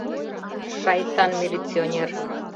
Шайтан милиционер.